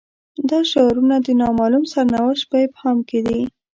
دا شعارونه د نا معلوم سرنوشت په ابهام کې دي.